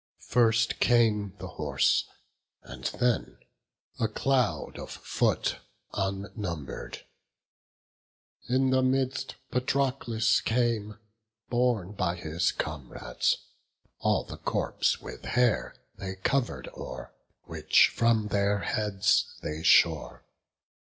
First came the horse, and then a cloud of foot, Unnumber'd; in the midst Patroclus came, Borne by his comrades; all the corpse with hair They cover'd o'er, which from their heads they shore.